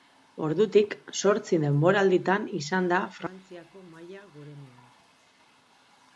Ordutik zortzi denboralditan izan da Frantziako maila gorenean.